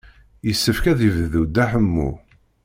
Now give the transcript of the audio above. Yessefk ad yebdu Dda Ḥemmu.